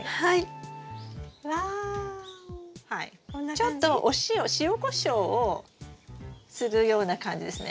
ちょっとお塩塩コショウをするような感じですね。